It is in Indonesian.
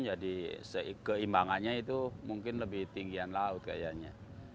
jadi keimbangannya itu mungkin lebih tinggi air laut kayaknya